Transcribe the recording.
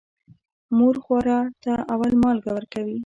مور خواره ته اول مالګه ورکوي.